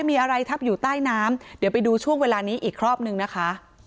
มีอะไรทับอยู่ใต้น้ำเดี๋ยวไปดูช่วงเวลานี้อีกรอบนึงนะคะ